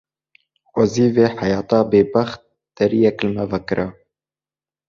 Xwezî vê heyata bêbext deriyek li me vekira.